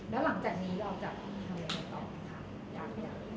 แล้วหลังจากนี้เราจะทำยังไงต่อไหมคะ